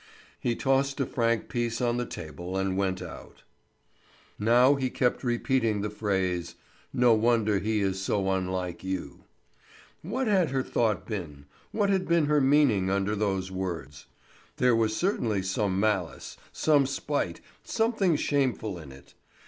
He tossed a franc piece on the table and went out. Now he kept repeating the phrase: "No wonder he is so unlike you." What had her thought been, what had been her meaning under those words? There was certainly some malice, some spite, something shameful in it.